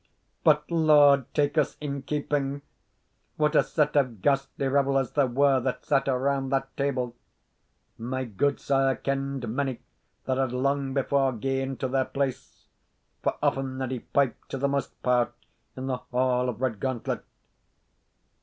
But Lord take us in keeping! What a set of ghastly revellers there were that sat around that table! My gudesire kend mony that had long before gane to their place, for often had he piped to the most part in the hall of Redgauntlet.